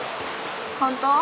本当？